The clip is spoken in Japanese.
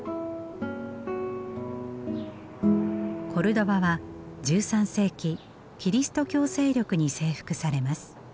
コルドバは１３世紀キリスト教勢力に征服されます。